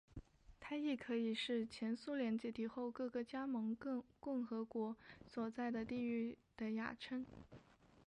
它亦可以是前苏联解体后各个加盟共和国所在的地域的雅称。